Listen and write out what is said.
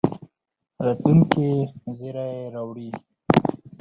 راتلونکي زېری راوړي.